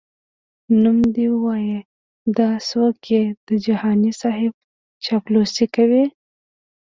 نوم دي وایه دا څوک یې د جهاني صیب چاپلوسي کوي؟🤧🧐